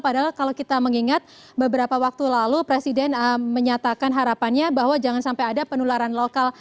padahal kalau kita mengingat beberapa waktu lalu presiden menyatakan harapannya bahwa jangan sampai ada penularan lokal